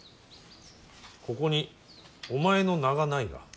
ここにお前の名がないが。